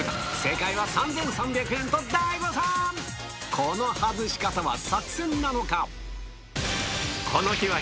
この外し方は作戦なのか？